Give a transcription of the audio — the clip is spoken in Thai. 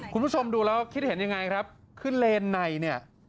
คุณผู้ชมดูแล้วคิดเห็นยังไงครับคือเลนในเนี่ย